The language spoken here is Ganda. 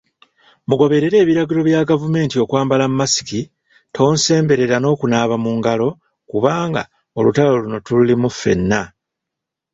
Mugoberere ebiragiro bya gavumenti okwambala mask, tonsemberera n'okunaaba mungalo kubanga olutalo luno tululimu fenna.